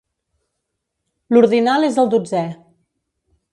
L'ordinal és el dotzè.